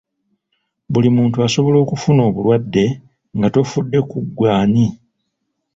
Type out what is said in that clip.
Buli muntu asobola okufuna obulwadde nga tofudde ku ggwe ani.